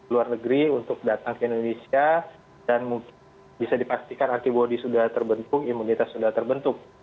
luar negeri untuk datang ke indonesia dan mungkin bisa dipastikan antibody sudah terbentuk imunitas sudah terbentuk